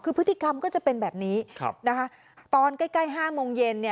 คือพฤติกรรมก็จะเป็นแบบนี้ตอนใกล้๕โมงเย็น